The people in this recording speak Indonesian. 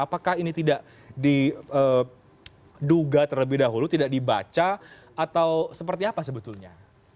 apakah ini tidak diduga terlebih dahulu tidak dibaca atau seperti apa sebetulnya